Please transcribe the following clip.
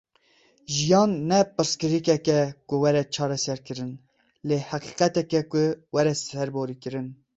Jiyan ne pirsgirêkeke ku were çareserkirin lê heqîqeteke ku were serborîkirin.